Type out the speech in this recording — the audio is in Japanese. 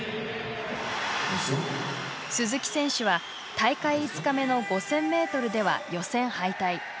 鈴木選手は大会５日目の５，０００ｍでは予選敗退。